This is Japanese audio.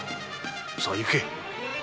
さあ行け！